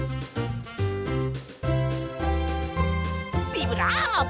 ビブラーボ！